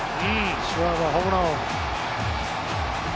シュワバー、ホームラン王。